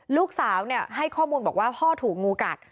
ลูกสาวให้ข้อมูลบอกว่าพ่อถูกงูกัด